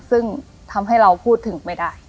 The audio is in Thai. ซึ่งทำให้เราพูดถึงไม่ได้